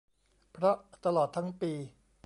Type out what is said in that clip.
เพราะตลอดทั้งปี